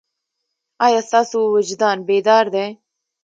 ایا ستاسو وجدان بیدار دی؟